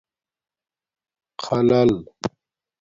خلل